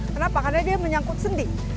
kenapa karena dia menyangkut sendi